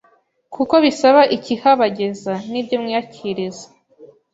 kuko bisaba ikihabageza, n’ibyo mwiyakiriza.